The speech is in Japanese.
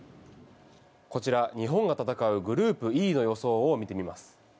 こちら、日本が戦うグループＥの予想を見てみます。